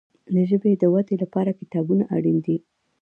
د ژبي د ودي لپاره کتابونه اړین دي.